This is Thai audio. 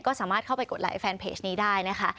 ก็สามารถเข้าไปกดไลค์แฟนเพจนี้ได้นะคะ